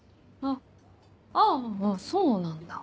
ああぁそうなんだ。